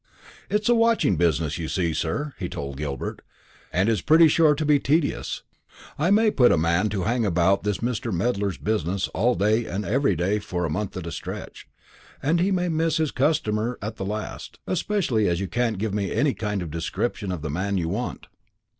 "It's a watching business, you see sir," he told Gilbert, "and is pretty sure to be tedious. I may put a man to hang about this Mr. Medler's business all day and every day for a month at a stretch, and he may miss his customer at the last, especially as you can't give me any kind of description of the man you want."